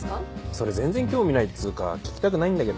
それ全然興味ないっつうか聞きたくないんだけど。